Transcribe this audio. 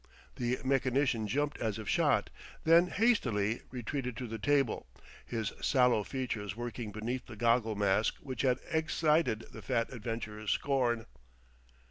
The mechanician jumped as if shot, then hastily, retreated to the table, his sallow features working beneath the goggle mask which had excited the fat adventurer's scorn.